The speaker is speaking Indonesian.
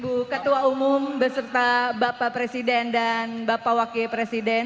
ibu ketua umum beserta bapak presiden dan bapak wakil presiden